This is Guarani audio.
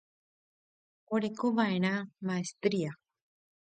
Orekova'erã maestría.